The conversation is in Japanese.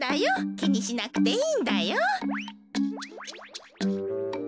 きにしなくていいんだよ。